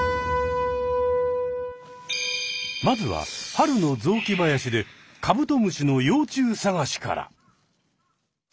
まずは春の雑木林でカブトムシの幼虫探しから。